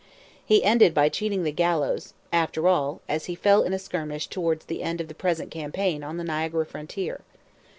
He ended by cheating the gallows, after all, as he fell in a skirmish towards the end of the present campaign on the Niagara frontier.